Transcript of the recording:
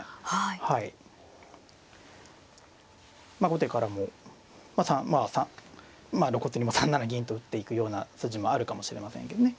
後手からも３まあ３露骨にもう３七銀と打っていくような筋もあるかもしれませんけどね。